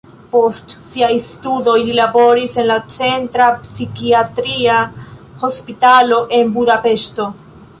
Post siaj studoj li laboris en la centra psikiatria hospitalo en Budapeŝto.